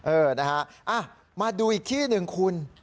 เออนะฮะมาดูอีกที่หนึ่งคุณ